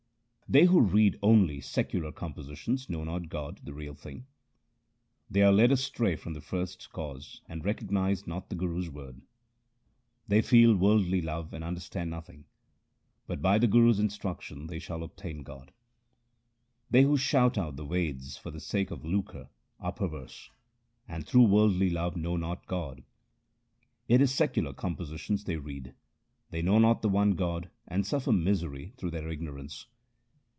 They who read only secular compositions 1 know not God, the Real Thing. They are led astray from the First Cause and recognize not the Guru's word. They feel worldly love and understand nothing, but by the Guru's instruction they shall obtain God. They who shout out the Veds for the sake of lucre Are perverse, and through worldly love know not God. It is secular compositions they read ; they know not the one God, and suffer misery through their ignorance.